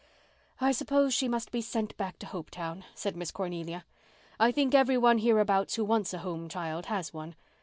"I suppose she must be sent back to Hopetown," said Miss Cornelia. "I think every one hereabouts who wants a home child has one.